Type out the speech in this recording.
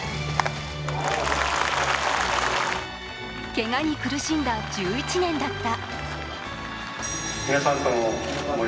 けがに苦しんだ１１年だった。